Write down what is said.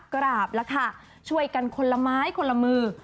กราบแล้วค่ะช่วยกันคนละไม้คนละมือ